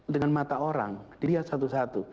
dengan mata orang dilihat satu satu